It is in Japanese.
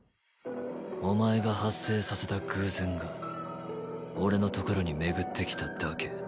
お前が発生させた偶然が俺のところに巡ってきただけ。